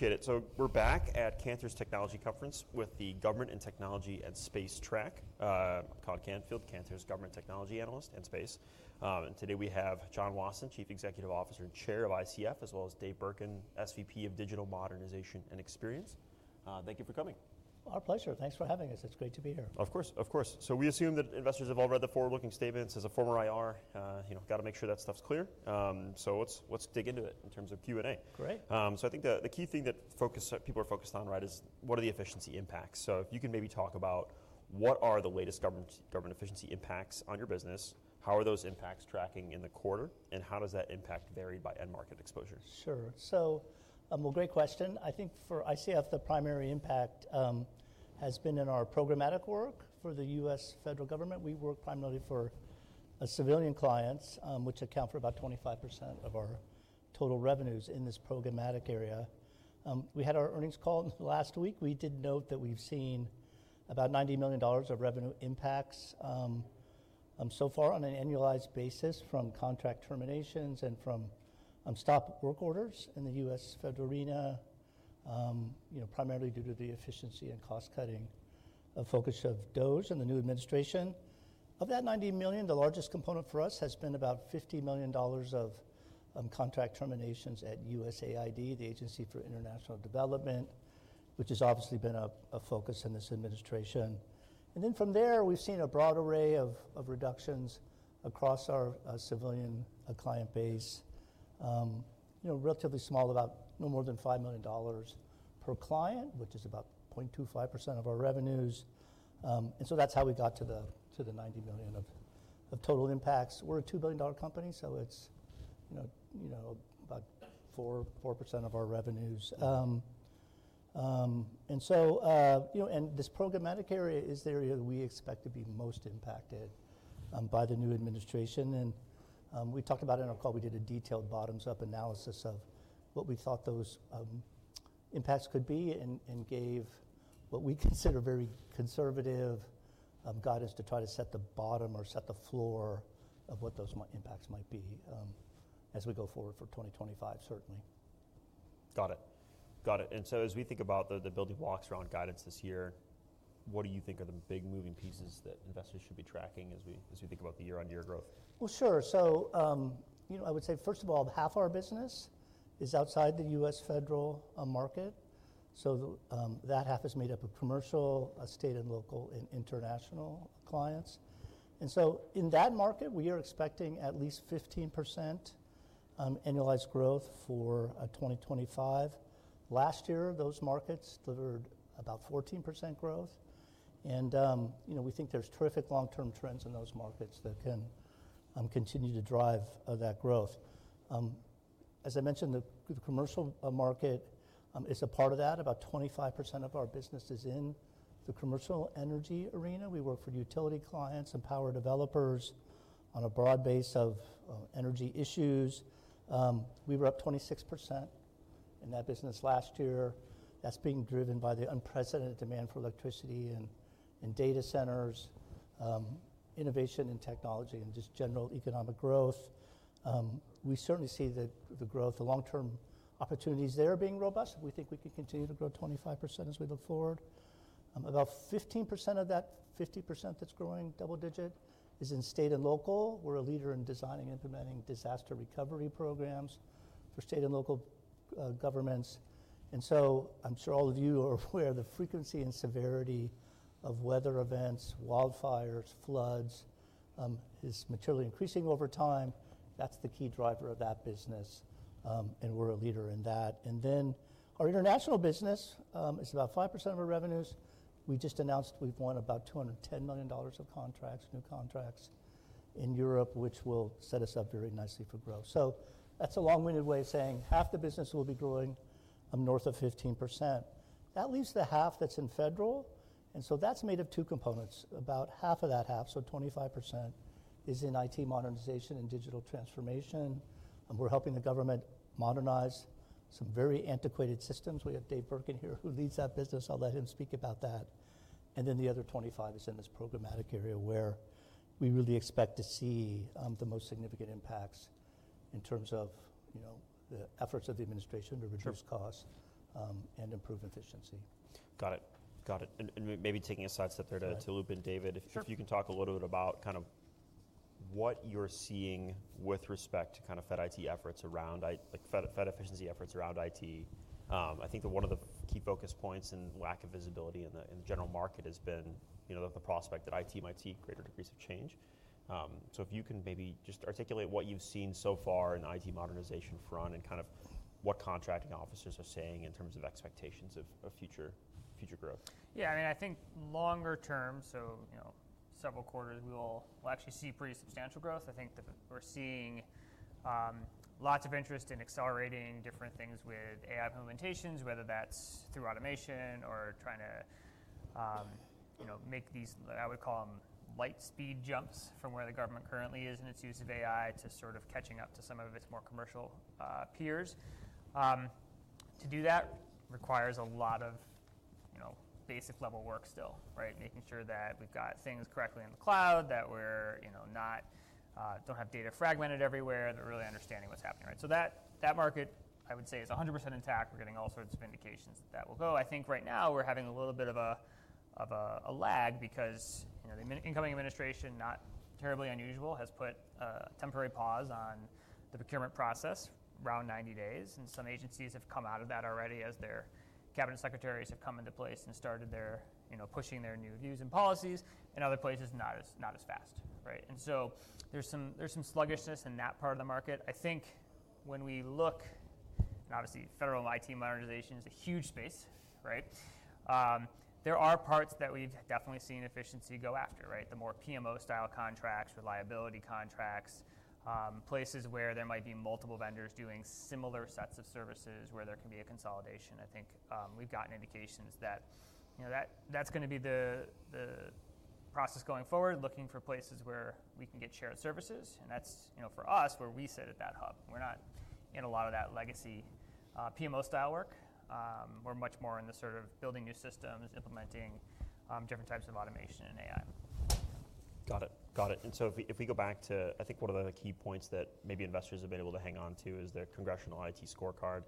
Appreciate it. We're back at Cantor's Technology Conference with the Government and Technology and Space track. I'm Colin Canfield, Cantor's Government Technology Analyst and Space. Today we have John Wasson, Chief Executive Officer and Chair of ICF, as well as Dave Burke, SVP of Digital Modernization and Experience. Thank you for coming. Our pleasure. Thanks for having us. It's great to be here. Of course, of course. We assume that investors have all read the forward-looking statements. As a former IR, you know, gotta make sure that stuff's clear. Let's dig into it in terms of Q&A. Great. I think the key thing that people are focused on, right, is what are the efficiency impacts? If you can maybe talk about what are the latest government efficiency impacts on your business, how are those impacts tracking in the quarter, and how does that impact vary by end market exposure? Sure. Great question. I think for ICF, the primary impact has been in our programmatic work for the U.S. federal government. We work primarily for civilian clients, which account for about 25% of our total revenues in this programmatic area. We had our earnings call last week. We did note that we've seen about $90 million of revenue impacts so far on an annualized basis from contract terminations and from stop work orders in the U.S. federal arena, you know, primarily due to the efficiency and cost-cutting focus of DOGE and the new administration. Of that $90 million, the largest component for us has been about $50 million of contract terminations at USAID, the Agency for International Development, which has obviously been a focus in this administration. And then from there, we've seen a broad array of, of reductions across our civilian client base, you know, relatively small, about no more than $5 million per client, which is about 0.25% of our revenues. And so that's how we got to the $90 million of, of total impacts. We're a $2 billion company, so it's, you know, you know, about 4-4% of our revenues. And so, you know, and this programmatic area is the area that we expect to be most impacted by the new administration. And, we talked about it in our call. We did a detailed bottoms-up analysis of what we thought those impacts could be and, and gave what we consider very conservative guidance to try to set the bottom or set the floor of what those impacts might be, as we go forward for 2025, certainly. Got it. Got it. As we think about the building blocks around guidance this year, what do you think are the big moving pieces that investors should be tracking as we think about the year-on-year growth? Sure. You know, I would say, first of all, half our business is outside the U.S. federal market. That half is made up of commercial, state and local, and international clients. In that market, we are expecting at least 15% annualized growth for 2025. Last year, those markets delivered about 14% growth. You know, we think there's terrific long-term trends in those markets that can continue to drive that growth. As I mentioned, the commercial market is a part of that. About 25% of our business is in the commercial energy arena. We work for utility clients and power developers on a broad base of energy issues. We were up 26% in that business last year. That's being driven by the unprecedented demand for electricity and data centers, innovation and technology, and just general economic growth. We certainly see the growth, the long-term opportunities there being robust. We think we could continue to grow 25% as we look forward. About 15% of that 50% that's growing double-digit is in state and local. We're a leader in designing and implementing disaster recovery programs for state and local governments. I'm sure all of you are aware of the frequency and severity of weather events, wildfires, floods, is materially increasing over time. That's the key driver of that business. We're a leader in that. Our international business is about 5% of our revenues. We just announced we've won about $210 million of contracts, new contracts in Europe, which will set us up very nicely for growth. That's a long-winded way of saying half the business will be growing north of 15%. That leaves the half that's in federal. That's made of two components. About half of that half, so 25%, is in IT modernization and digital transformation. We're helping the government modernize some very antiquated systems. We have Dave Burke here who leads that business. I'll let him speak about that. And then the other 25% is in this programmatic area where we really expect to see the most significant impacts in terms of, you know, the efforts of the administration to reduce cost and improve efficiency. Got it. Got it. Maybe taking a side step there to loop in David. Sure. If you can talk a little bit about kind of what you're seeing with respect to kind of Fed IT efforts around, I like, Fed, Fed efficiency efforts around IT. I think that one of the key focus points and lack of visibility in the, in the general market has been, you know, the, the prospect that IT might see greater degrees of change. If you can maybe just articulate what you've seen so far in the IT modernization front and kind of what contracting officers are saying in terms of expectations of, of future, future growth. Yeah. I mean, I think longer term, so, you know, several quarters, we will, we'll actually see pretty substantial growth. I think that we're seeing, lots of interest in accelerating different things with AI implementations, whether that's through automation or trying to, you know, make these, I would call them light speed jumps from where the government currently is in its use of AI to sort of catching up to some of its more commercial peers. To do that requires a lot of, you know, basic level work still, right? Making sure that we've got things correctly in the cloud, that we're, you know, not, don't have data fragmented everywhere, that we're really understanding what's happening, right? So that, that market, I would say, is 100% intact. We're getting all sorts of indications that that will go. I think right now we're having a little bit of a lag because, you know, the incoming administration, not terribly unusual, has put a temporary pause on the procurement process, around 90 days. Some agencies have come out of that already as their cabinet secretaries have come into place and started their, you know, pushing their new views and policies. In other places, not as fast, right? There is some sluggishness in that part of the market. I think when we look, and obviously federal IT modernization is a huge space, right? There are parts that we've definitely seen efficiency go after, right? The more PMO-style contracts, reliability contracts, places where there might be multiple vendors doing similar sets of services where there can be a consolidation. I think we've gotten indications that, you know, that's gonna be the process going forward, looking for places where we can get shared services. And that's, you know, for us, where we sit at that hub. We're not in a lot of that legacy, PMO-style work. We're much more in the sort of building new systems, implementing different types of automation and AI. Got it. Got it. If we go back to, I think one of the key points that maybe investors have been able to hang on to is their congressional IT scorecard.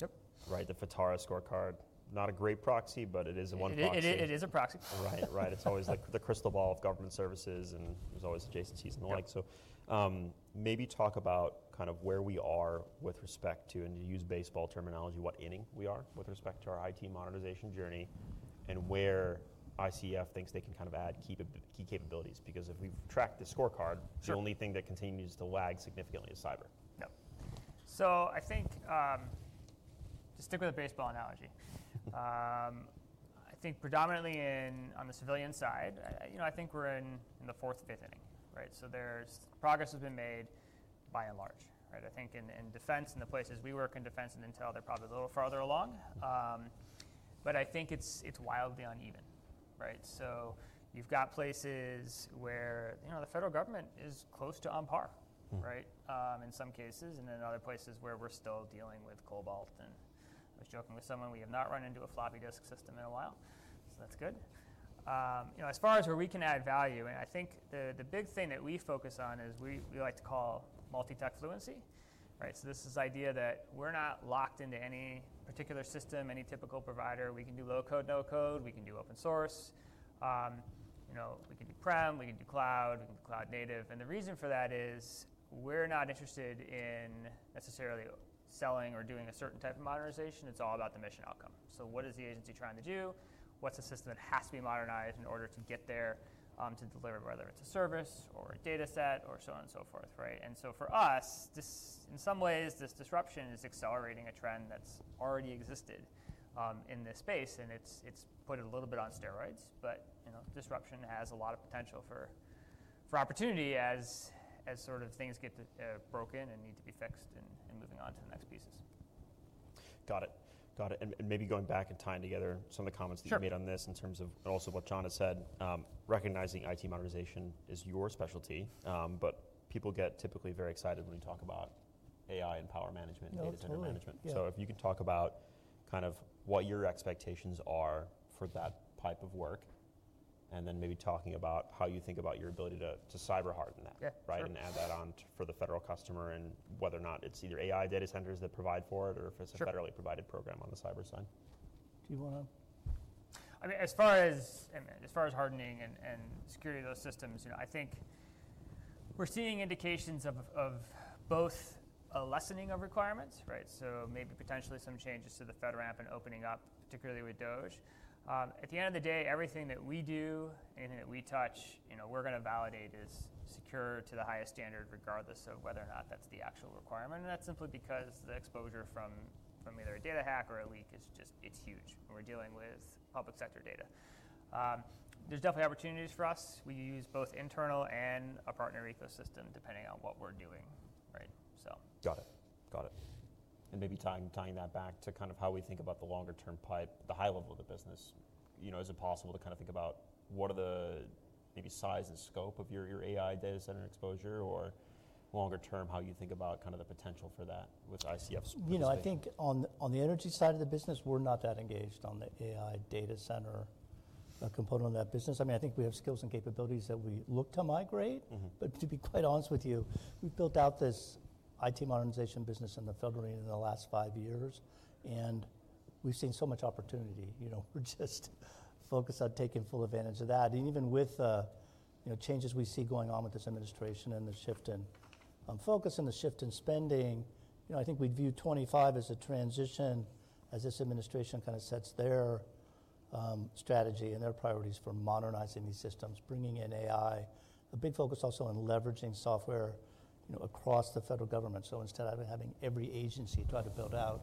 Yep. Right? The FITARA scorecard. Not a great proxy, but it is one proxy. It is a proxy. Right, right. It's always the crystal ball of government services, and there's always adjacencies and the like. Maybe talk about kind of where we are with respect to, and to use baseball terminology, what inning we are with respect to our IT modernization journey and where ICF thinks they can kind of add key capabilities. Because if we've tracked the scorecard. Sure. The only thing that continues to lag significantly is cyber. Yep. I think, just stick with the baseball analogy. I think predominantly in, on the civilian side, I, you know, I think we're in the fourth and fifth inning, right? Progress has been made by and large, right? I think in defense, in the places we work in defense and intel, they're probably a little farther along. I think it's wildly uneven, right? You've got places where, you know, the federal government is close to on par, right. In some cases, and then in other places where we're still dealing with COBOL. I was joking with someone, we have not run into a floppy disk system in a while. That's good. You know, as far as where we can add value, I think the big thing that we focus on is we like to call multi-tech fluency, right? This is the idea that we're not locked into any particular system, any typical provider. We can do low code, no code. We can do open source. You know, we can do prem. We can do cloud. We can do cloud native. The reason for that is we're not interested in necessarily selling or doing a certain type of modernization. It's all about the mission outcome. What is the agency trying to do? What's a system that has to be modernized in order to get there, to deliver, whether it's a service or a data set or so on and so forth, right? For us, this in some ways, this disruption is accelerating a trend that's already existed in this space. It's put it a little bit on steroids. You know, disruption has a lot of potential for opportunity as sort of things get broken and need to be fixed and moving on to the next pieces. Got it. Got it. Maybe going back and tying together some of the comments that you've made on this in terms of also what John has said, recognizing IT modernization is your specialty. People get typically very excited when you talk about AI and power management and data center management. If you can talk about kind of what your expectations are for that type of work, and then maybe talking about how you think about your ability to, to cyber harden that. Right? Add that on to for the federal customer and whether or not it's either AI data centers that provide for it or if it's a federally provided program on the cyber side. I mean, as far as, I mean, as far as hardening and security of those systems, you know, I think we're seeing indications of both a lessening of requirements, right? So maybe potentially some changes to the FedRAMP and opening up, particularly with DOGE. At the end of the day, everything that we do, anything that we touch, you know, we're gonna validate is secure to the highest standard regardless of whether or not that's the actual requirement. And that's simply because the exposure from either a data hack or a leak is just, it's huge. And we're dealing with public sector data. There's definitely opportunities for us. We use both internal and a partner ecosystem depending on what we're doing, right? So. Got it. Got it. Maybe tying that back to kind of how we think about the longer-term pipe, the high level of the business, you know, is it possible to kind of think about what are the maybe size and scope of your, your AI data center exposure or longer term, how you think about kind of the potential for that with ICF's perspective? You know, I think on, on the energy side of the business, we're not that engaged on the AI data center component of that business. I mean, I think we have skills and capabilities that we look to migrate. Mm-hmm. To be quite honest with you, we've built out this IT modernization business in the federal arena in the last five years, and we've seen so much opportunity. You know, we're just focused on taking full advantage of that. Even with, you know, changes we see going on with this administration and the shift in focus and the shift in spending, you know, I think we'd view 2025 as a transition as this administration kind of sets their strategy and their priorities for modernizing these systems, bringing in AI. A big focus also on leveraging software, you know, across the federal government. Instead of having every agency try to build out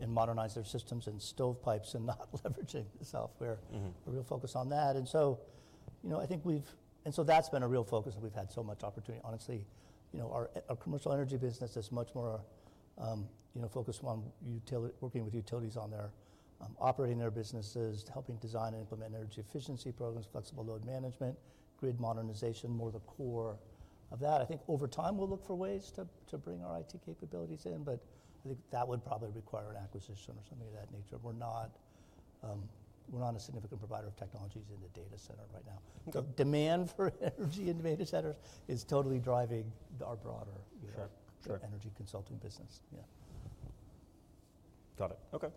and modernize their systems and stovepipes and not leveraging the software. Mm-hmm. A real focus on that. You know, I think we've, and so that's been a real focus and we've had so much opportunity. Honestly, you know, our commercial energy business is much more, you know, focused on working with utilities on their operating their businesses, helping design and implement energy efficiency programs, flexible load management, grid modernization, more the core of that. I think over time we'll look for ways to bring our IT capabilities in, but I think that would probably require an acquisition or something of that nature. We're not a significant provider of technologies in the data center right now. Okay. The demand for energy in data centers is totally driving our broader, you know. Sure. Sure. Energy consulting business. Yeah. Got it. Okay.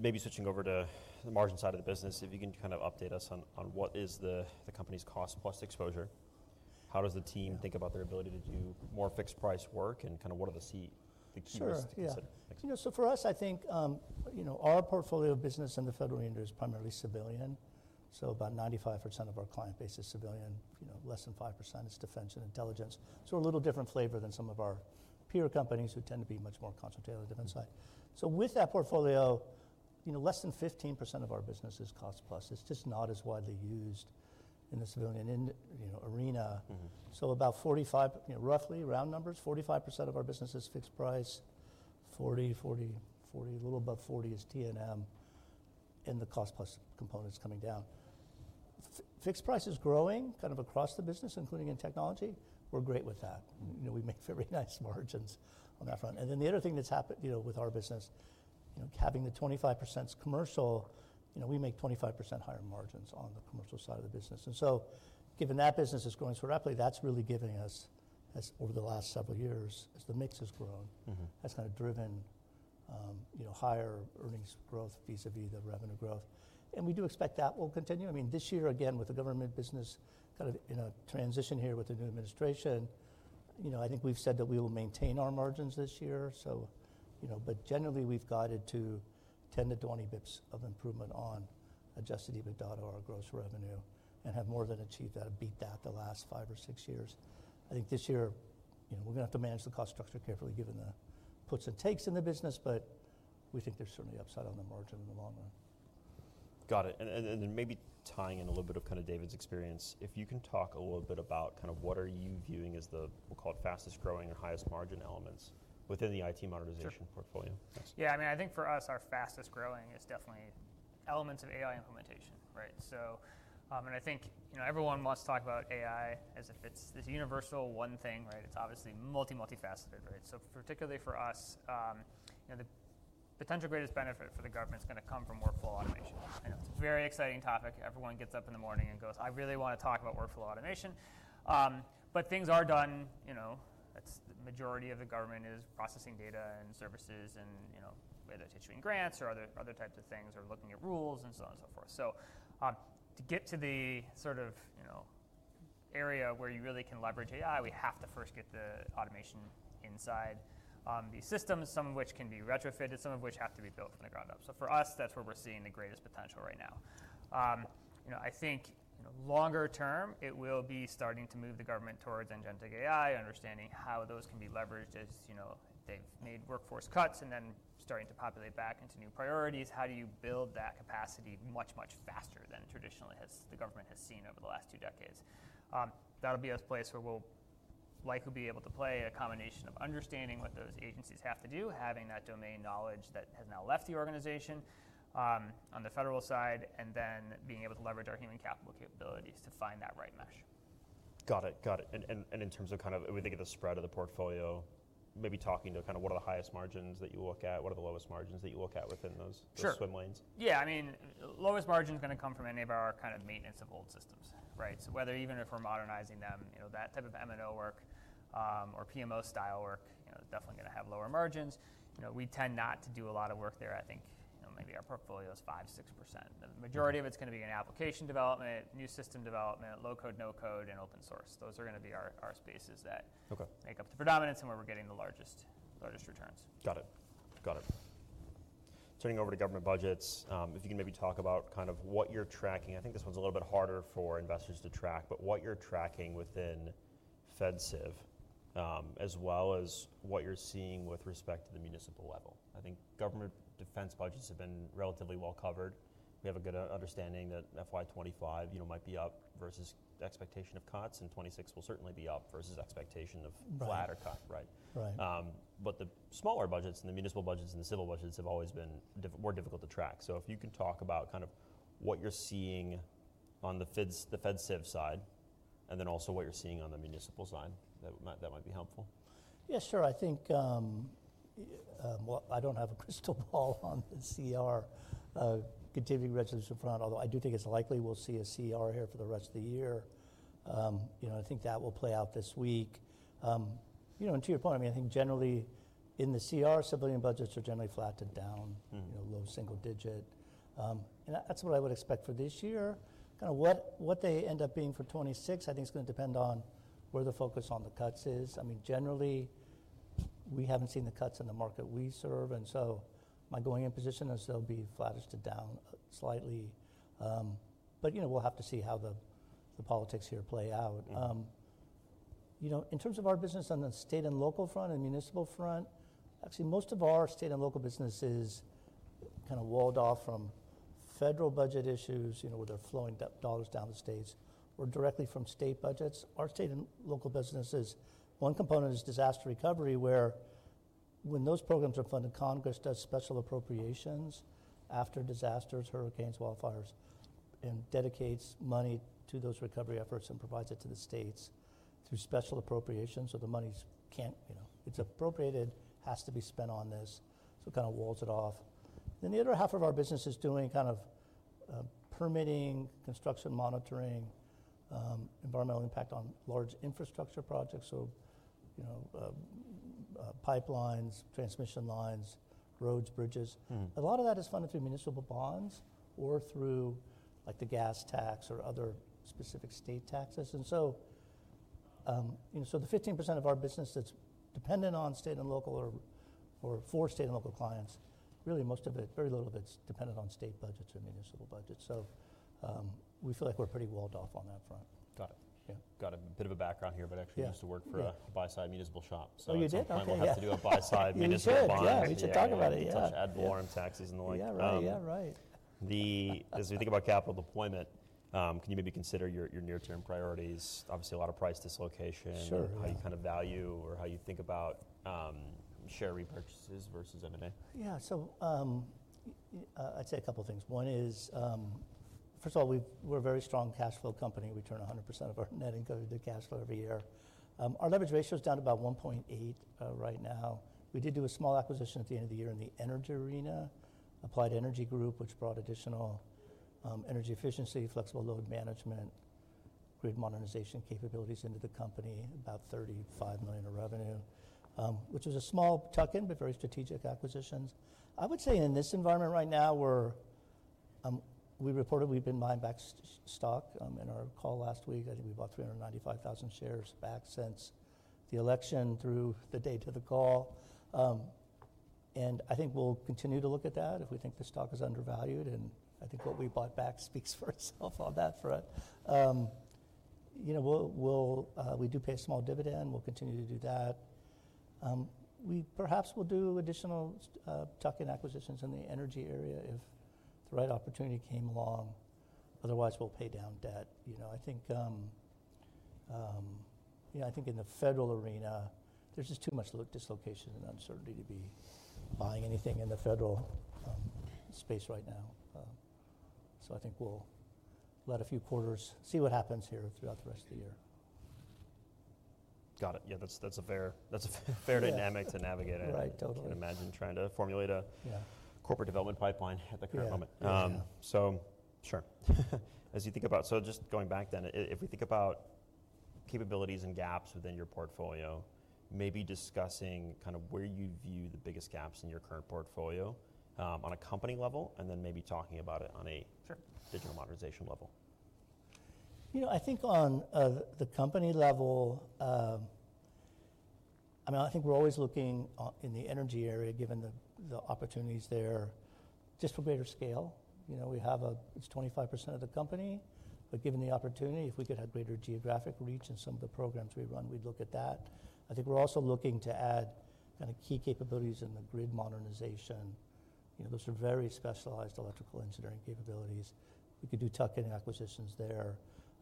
Maybe switching over to the margin side of the business, if you can kind of update us on what is the company's cost plus exposure? How does the team think about their ability to do more fixed price work and kind of what are the key risks? Sure. Yeah. Next question. You know, so for us, I think, you know, our portfolio of business in the federal arena is primarily civilian. So about 95% of our client base is civilian. You know, less than 5% is defense and intelligence. A little different flavor than some of our peer companies who tend to be much more concentrated on the defense side. With that portfolio, you know, less than 15% of our business is cost plus. It's just not as widely used in the civilian, you know, arena. Mm-hmm. About 45, you know, roughly round numbers, 45% of our business is fixed price. Forty, forty, forty, a little above 40 is T&M and the cost plus components coming down. Fixed price is growing kind of across the business, including in technology. We're great with that. You know, we make very nice margins on that front. The other thing that's happened, you know, with our business, you know, having the 25% commercial, you know, we make 25% higher margins on the commercial side of the business. Given that business is growing so rapidly, that's really giving us, as over the last several years, as the mix has grown. Mm-hmm. That's kind of driven, you know, higher earnings growth vis-à-vis the revenue growth. We do expect that will continue. I mean, this year again, with the government business kind of in a transition here with the new administration, you know, I think we've said that we will maintain our margins this year. Generally we've guided to 10-20 basis points of improvement on adjusted EBITDA or our gross revenue and have more than achieved that, beat that the last five or six years. I think this year, you know, we're gonna have to manage the cost structure carefully given the puts and takes in the business, but we think there's certainly upside on the margin in the long run. Got it. And then maybe tying in a little bit of kind of David's experience, if you can talk a little bit about kind of what are you viewing as the, we'll call it fastest growing or highest margin elements within the IT modernization portfolio. Sure. Yeah. I mean, I think for us, our fastest growing is definitely elements of AI implementation, right? I think, you know, everyone wants to talk about AI as if it's this universal one thing, right? It's obviously multifaceted, right? Particularly for us, you know, the potential greatest benefit for the government's gonna come from workflow automation. I know it's a very exciting topic. Everyone gets up in the morning and goes, "I really wanna talk about workflow automation." Things are done, you know, that's the majority of the government is processing data and services and, you know, whether it's issuing grants or other, other types of things or looking at rules and so on and so forth. To get to the sort of, you know, area where you really can leverage AI, we have to first get the automation inside these systems, some of which can be retrofitted, some of which have to be built from the ground up. For us, that's where we're seeing the greatest potential right now. You know, I think, you know, longer term, it will be starting to move the government towards engineering AI, understanding how those can be leveraged as, you know, they've made workforce cuts and then starting to populate back into new priorities. How do you build that capacity much, much faster than traditionally the government has seen over the last two decades? That'll be a place where we'll likely be able to play a combination of understanding what those agencies have to do, having that domain knowledge that has now left the organization, on the federal side, and then being able to leverage our human capital capabilities to find that right mesh. Got it. Got it. In terms of kind of, we think of the spread of the portfolio, maybe talking to kind of what are the highest margins that you look at? What are the lowest margins that you look at within those? Sure. Swim lanes? Yeah. I mean, lowest margin's gonna come from any of our kind of maintenance of old systems, right? So whether even if we're modernizing them, you know, that type of M&O work, or PMO style work, you know, is definitely gonna have lower margins. You know, we tend not to do a lot of work there. I think, you know, maybe our portfolio is 5-6%. The majority of it's gonna be in application development, new system development, low code, no code, and open source. Those are gonna be our, our spaces that. Okay. Make up the predominance and where we're getting the largest, largest returns. Got it. Got it. Turning over to government budgets, if you can maybe talk about kind of what you're tracking. I think this one's a little bit harder for investors to track, but what you're tracking within FedCiv, as well as what you're seeing with respect to the municipal level. I think government defense budgets have been relatively well covered. We have a good understanding that FY2025, you know, might be up versus expectation of cuts, and 2026 will certainly be up versus expectation of flatter cut, right? Right. The smaller budgets and the municipal budgets and the civil budgets have always been more difficult to track. If you can talk about kind of what you're seeing on the FedCiv side and then also what you're seeing on the municipal side, that might be helpful. Yeah. Sure. I think, I don't have a crystal ball on the CR, continuing resolution front, although I do think it's likely we'll see a CR here for the rest of the year. You know, I think that will play out this week. You know, and to your point, I mean, I think generally in the CR, civilian budgets are generally flat to down. Mm-hmm. You know, low single digit. And that's what I would expect for this year. Kind of what they end up being for 2026, I think it's gonna depend on where the focus on the cuts is. I mean, generally we haven't seen the cuts in the market we serve. And so my going in position is they'll be flattish to down slightly. But, you know, we'll have to see how the politics here play out. Mm-hmm. You know, in terms of our business on the state and local front and municipal front, actually most of our state and local business is kind of walled off from federal budget issues, you know, where they're flowing dollars down to the states or directly from state budgets. Our state and local business, one component is disaster recovery, where when those programs are funded, Congress does special appropriations after disasters, hurricanes, wildfires, and dedicates money to those recovery efforts and provides it to the states through special appropriations. The monies, you know, it's appropriated, has to be spent on this. It kind of walls it off. The other half of our business is doing kind of permitting, construction monitoring, environmental impact on large infrastructure projects. You know, pipelines, transmission lines, roads, bridges. Mm-hmm. A lot of that is funded through municipal bonds or through like the gas tax or other specific state taxes. You know, the 15% of our business that's dependent on state and local or, or for state and local clients, really most of it, very little of it's dependent on state budgets or municipal budgets. We feel like we're pretty walled off on that front. Got it. Yeah. Got a bit of a background here, but actually used to work for a buy-side municipal shop. Oh, you did? Okay. My client will have to do a buy-side municipal bond. Yeah. Yeah. We should talk about it. Yeah. Touch add warm taxes and the like. Yeah. Right. Yeah. Right. As we think about capital deployment, can you maybe consider your near-term priorities? Obviously, a lot of price dislocation. Sure. How you kind of value or how you think about share repurchases versus M&A? Yeah. You, I'd say a couple of things. One is, first of all, we've, we're a very strong cash flow company. We turn 100% of our net income into cash flow every year. Our leverage ratio's down to about 1.8 right now. We did do a small acquisition at the end of the year in the energy arena, Applied Energy Group, which brought additional energy efficiency, flexible load management, grid modernization capabilities into the company, about $35 million in revenue, which was a small tuck-in, but very strategic acquisitions. I would say in this environment right now, we reported we've been buying back stock, in our call last week. I think we bought 395,000 shares back since the election through the day to the call. I think we'll continue to look at that if we think the stock is undervalued. I think what we bought back speaks for itself on that front. You know, we do pay a small dividend. We'll continue to do that. We perhaps will do additional tuck-in acquisitions in the energy area if the right opportunity came along. Otherwise, we'll pay down debt. You know, I think in the federal arena, there's just too much dislocation and uncertainty to be buying anything in the federal space right now. I think we'll let a few quarters see what happens here throughout the rest of the year. Got it. Yeah. That's a fair, that's a fair dynamic to navigate. Right. Totally. I can imagine trying to formulate a. Yeah. Corporate development pipeline at the current moment. Yeah. Yeah. Sure. As you think about, just going back then, if we think about capabilities and gaps within your portfolio, maybe discussing kind of where you view the biggest gaps in your current portfolio on a company level and then maybe talking about it on a. Sure. Digital modernization level. You know, I think on the company level, I mean, I think we're always looking in the energy area, given the opportunities there, just for greater scale. You know, we have a, it's 25% of the company. Given the opportunity, if we could have greater geographic reach in some of the programs we run, we'd look at that. I think we're also looking to add kind of key capabilities in the grid modernization. You know, those are very specialized electrical engineering capabilities. We could do tuck in acquisitions there.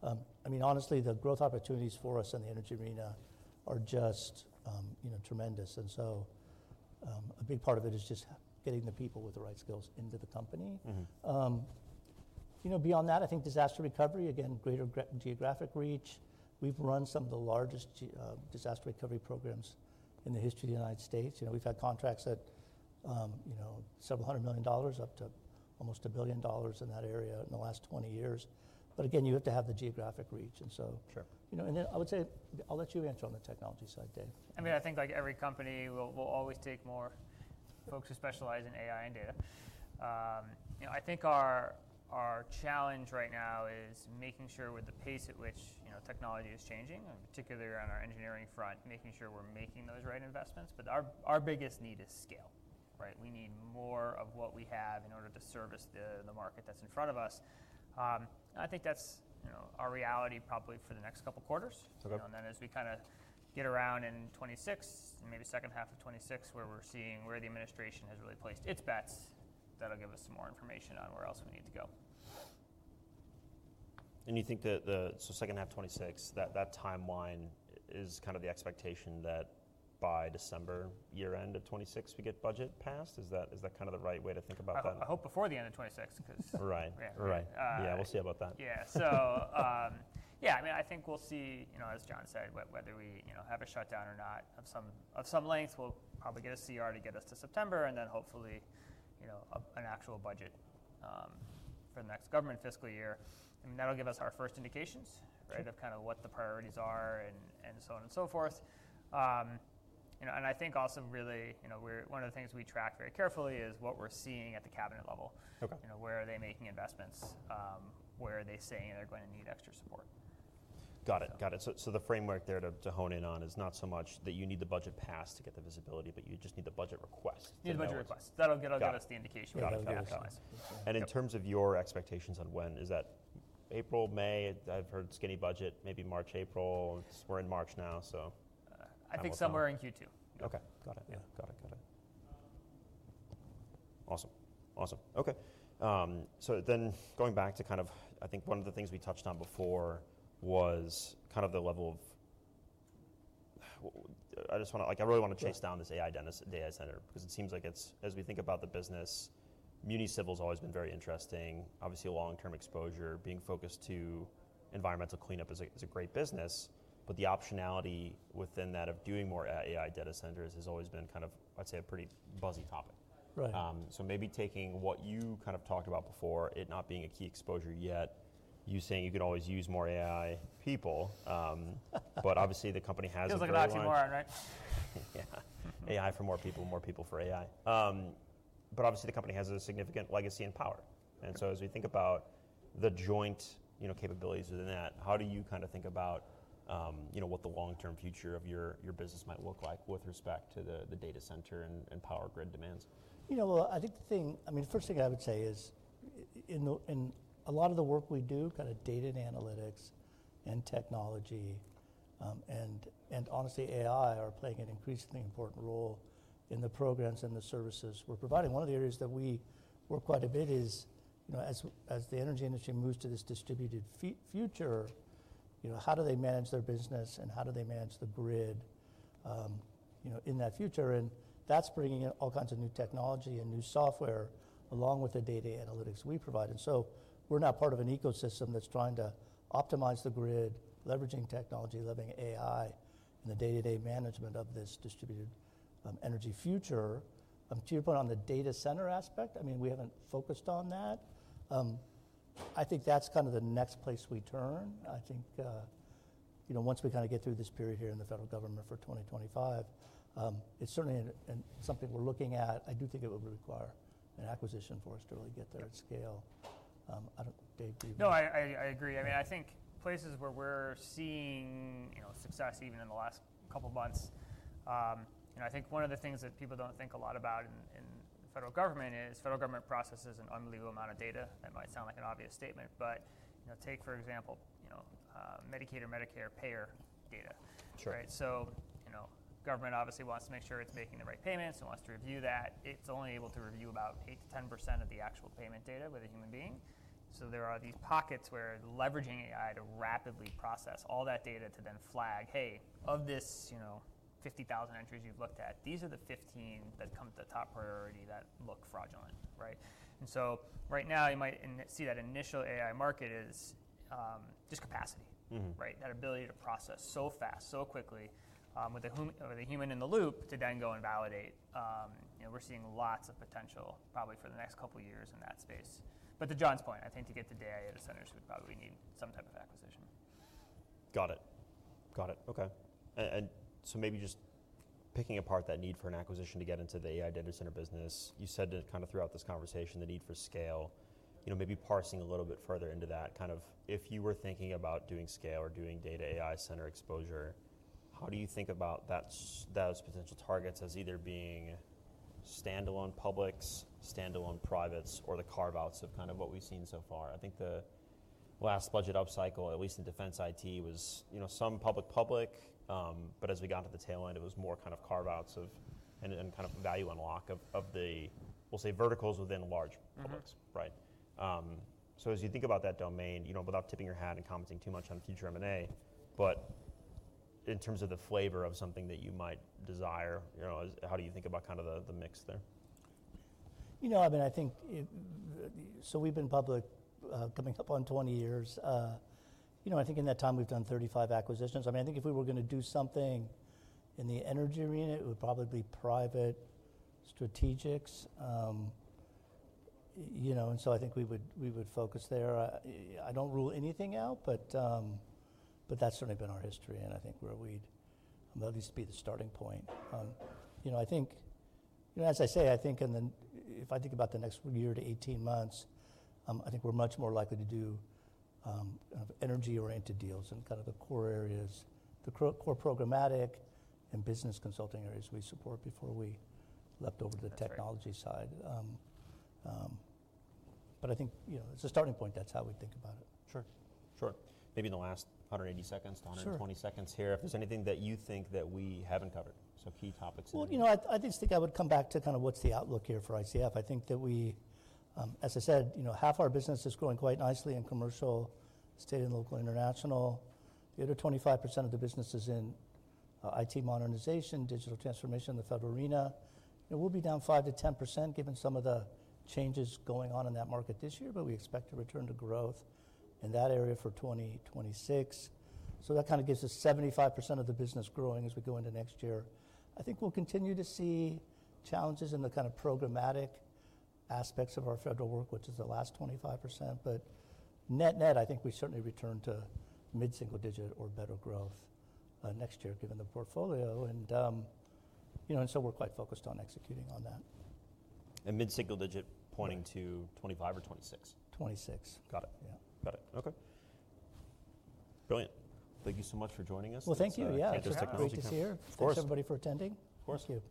I mean, honestly, the growth opportunities for us in the energy arena are just, you know, tremendous. A big part of it is just getting the people with the right skills into the company. Mm-hmm. You know, beyond that, I think disaster recovery, again, greater geographic reach. We've run some of the largest disaster recovery programs in the history of the United States. You know, we've had contracts at, you know, several hundred million dollars up to almost $1 billion in that area in the last 20 years. You have to have the geographic reach. Sure. You know, and then I would say I'll let you answer on the technology side, Dave. I mean, I think like every company will always take more folks who specialize in AI and data. You know, I think our challenge right now is making sure with the pace at which, you know, technology is changing, particularly on our engineering front, making sure we're making those right investments. Our biggest need is scale, right? We need more of what we have in order to service the market that's in front of us. I think that's, you know, our reality probably for the next couple quarters. Okay. As we kind of get around in 2026, maybe second half of 2026, where we're seeing where the administration has really placed its bets, that'll give us some more information on where else we need to go. You think that the, so second half '26, that timeline is kind of the expectation that by December year end of 2026, we get budget passed? Is that, is that kind of the right way to think about that? I hope before the end of 2026 'cause. Right. Right. Yeah. We'll see about that. Yeah. Yeah, I mean, I think we'll see, you know, as John said, whether we, you know, have a shutdown or not of some length. We'll probably get a CR to get us to September and then hopefully, you know, an actual budget for the next government fiscal year. I mean, that'll give us our first indications, right, of kind of what the priorities are and so on and so forth. You know, and I think also really, you know, we're, one of the things we track very carefully is what we're seeing at the cabinet level. Okay. You know, where are they making investments, where are they saying they're going to need extra support? Got it. Got it. The framework there to hone in on is not so much that you need the budget pass to get the visibility, but you just need the budget request. Need the budget request. That'll, that'll give us the indication we have to have that. Got it. Got it. In terms of your expectations on when, is that April, May? I've heard skinny budget, maybe March, April. We're in March now, so. I think somewhere in Q2. Okay. Got it. Yeah. Got it. Got it. Awesome. Awesome. Okay. Going back to kind of, I think one of the things we touched on before was kind of the level of, I just want to, like, I really want to chase down this AI data center because it seems like it's, as we think about the business, municipal's always been very interesting. Obviously, a long-term exposure, being focused to environmental cleanup is a, is a great business. The optionality within that of doing more AI data centers has always been kind of, I'd say, a pretty buzzy topic. Right. Maybe taking what you kind of talked about before, it not being a key exposure yet, you saying you could always use more AI people, but obviously the company has a lot of. Feels like an oxymoron, right? Yeah. AI for more people, more people for AI. Obviously the company has a significant legacy and power. As we think about the joint, you know, capabilities within that, how do you kind of think about, you know, what the long-term future of your business might look like with respect to the data center and power grid demands? You know, I think the thing, I mean, the first thing I would say is in the, in a lot of the work we do, kind of data and analytics and technology, and, and honestly, AI are playing an increasingly important role in the programs and the services we're providing. One of the areas that we work quite a bit is, you know, as, as the energy industry moves to this distributed future, you know, how do they manage their business and how do they manage the grid, you know, in that future? That is bringing in all kinds of new technology and new software along with the data analytics we provide. We are now part of an ecosystem that's trying to optimize the grid, leveraging technology, leveraging AI in the day-to-day management of this distributed, energy future. To your point on the data center aspect, I mean, we haven't focused on that. I think that's kind of the next place we turn. I think, you know, once we kind of get through this period here in the federal government for 2025, it's certainly something we're looking at. I do think it would require an acquisition for us to really get there at scale. I don't, Dave, do you? No, I agree. I mean, I think places where we're seeing, you know, success even in the last couple months, you know, I think one of the things that people don't think a lot about in the federal government is federal government processes an unbelievable amount of data. That might sound like an obvious statement, but, you know, take for example, you know, Medicare or Medicare payer data. Sure. Right? So, you know, government obviously wants to make sure it's making the right payments and wants to review that. It's only able to review about 8-10% of the actual payment data with a human being. There are these pockets where leveraging AI to rapidly process all that data to then flag, "Hey, of this, you know, 50,000 entries you've looked at, these are the 15 that come to the top priority that look fraudulent," right? Right now you might see that initial AI market is just capacity. Mm-hmm. Right? That ability to process so fast, so quickly, with a human in the loop to then go and validate. You know, we're seeing lots of potential probably for the next couple years in that space. To John's point, I think to get to data centers, we'd probably need some type of acquisition. Got it. Got it. Okay. And so maybe just picking apart that need for an acquisition to get into the AI data center business, you said kind of throughout this conversation, the need for scale, you know, maybe parsing a little bit further into that, kind of if you were thinking about doing scale or doing data AI center exposure, how do you think about that, those potential targets as either being standalone publics, standalone privates, or the carve-outs of kind of what we've seen so far? I think the last budget upcycle, at least in defense IT, was, you know, some public, public, but as we got to the tail end, it was more kind of carve-outs of, and kind of value unlock of, of the, we'll say verticals within large publics. Mm-hmm. Right. So as you think about that domain, you know, without tipping your hat and commenting too much on future M&A, but in terms of the flavor of something that you might desire, you know, how do you think about kind of the mix there? You know, I mean, I think so we've been public, coming up on 20 years. You know, I think in that time we've done 35 acquisitions. I mean, I think if we were going to do something in the energy arena, it would probably be private strategics. You know, and so I think we would, we would focus there. I don't rule anything out, but that's certainly been our history and I think where we'd, at least be the starting point. You know, I think, you know, as I say, I think in the, if I think about the next year to 18 months, I think we're much more likely to do, kind of energy-oriented deals in kind of the core areas, the core programmatic and business consulting areas we support before we left over to the technology side. I think, you know, as a starting point, that's how we think about it. Sure. Sure. Maybe in the last 180 seconds, John, in 20 seconds here, if there's anything that you think that we haven't covered. Key topics that. I just think I would come back to kind of what's the outlook here for ICF. I think that we, as I said, half our business is growing quite nicely in commercial, state, and local international. The other 25% of the business is in IT modernization, digital transformation, the federal arena. You know, we'll be down 5-10% given some of the changes going on in that market this year, but we expect to return to growth in that area for 2026. That kind of gives us 75% of the business growing as we go into next year. I think we'll continue to see challenges in the kind of programmatic aspects of our federal work, which is the last 25%. Net, net, I think we certainly return to mid-single digit or better growth next year given the portfolio. You know, we are quite focused on executing on that. Mid-single digit pointing to 25 or 26. 26. Got it. Yeah. Got it. Okay. Brilliant. Thank you so much for joining us. Thank you. Yeah. Great to see you. Of course. Thank you everybody for attending. Of course. Thank you.